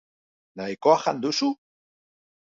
Nahikoa jan duzu?